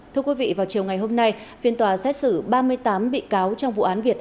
thưa quý vị vào chiều ngày hôm nay phiên tòa xét xử ba mươi tám bị cáo trong vụ án việt